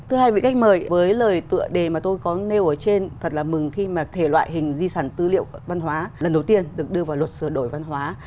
thưa hai vị khách mời với lời tựa đề mà tôi có nêu ở trên thật là mừng khi mà thể loại hình di sản tư liệu văn hóa lần đầu tiên được đưa vào luật sửa đổi văn hóa